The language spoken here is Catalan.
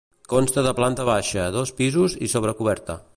Consta de planta baixa, dos pisos i sobrecoberta.